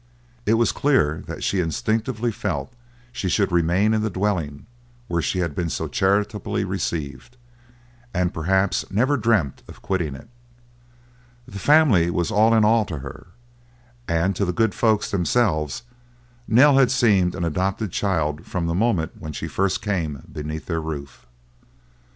It was clear that she instinctively felt she should remain in the dwelling where she had been so charitably received, and perhaps never dreamt of quitting it. This family was all in all to her, and to the good folks themselves Nell had seemed an adopted child from the moment when she first came beneath their roof.